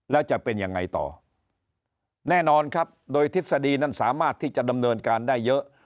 แล้วจะเป็นยังไงต่อแน่นอนครับโดยทฤษฎีนั้นสามารถที่จะดำเนินการได้เยอะ